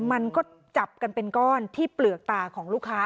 มันก็จับกันเป็นก้อนที่เปลือกตาของลูกค้า